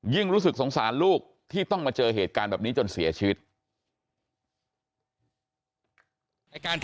รู้สึกสงสารลูกที่ต้องมาเจอเหตุการณ์แบบนี้จนเสียชีวิต